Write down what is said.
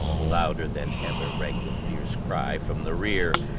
Louder than ever rang the fierce cry from the rear.